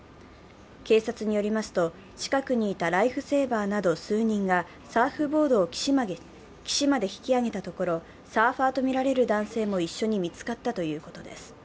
警察によりますと、近くにいたライフセーバーなど数人がサーフボードを岸まで引き上げたところサーファーとみられる男性も一緒に見つかったということです。